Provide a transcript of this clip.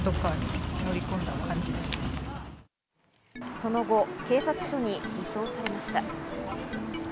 その後警察署に移送されました。